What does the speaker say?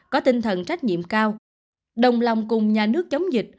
có tinh thần trách nhiệm cao đồng lòng cùng nhà nước chống dịch